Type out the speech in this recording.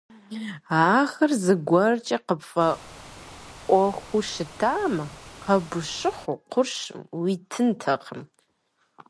Ахэр зыгуэркӀэ къыпфӀэӀуэхуу щытамэ, къэбущыхьу къуршым уитынтэкъым.